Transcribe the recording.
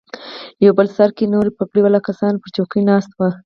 په بل سر کښې نور پګړۍ والا کسان پر چوکيو ناست وو.